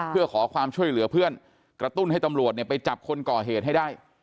เพื่อขอความช่วยเหลือเพื่อนกระตุ้นให้ตำรวจไปจับคนก่อเหตุให้ได้